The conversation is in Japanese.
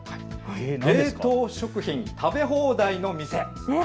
冷凍食品食べ放題の店。